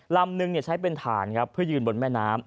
ลำนึงใช้เป็นฐานครับเพื่อยืนบนแม่น้ำ